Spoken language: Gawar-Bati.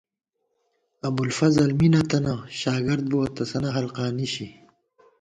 ابُوالفضل می نہ تنہ ، شاگردبُوَہ ، تسَنہ حلقا نِشی